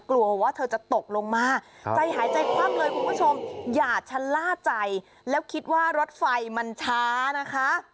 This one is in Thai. กลัวว่าเธอจะตกลงมาใจหายใจคว่ำเลยคุณผู้ชมอย่าชะล่าใจแล้วคิดว่ารถไฟมันช้านะคะ